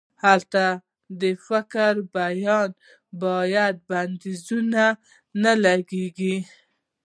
هلته د فکر په بیان باندې بندیزونه نه لګیږي.